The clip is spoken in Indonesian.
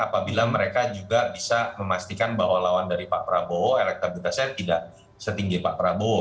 apabila mereka juga bisa memastikan bahwa lawan dari pak prabowo elektabilitasnya tidak setinggi pak prabowo